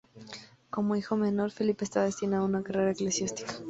Como hijo menor, Felipe estaba destinado a una carrera eclesiástica.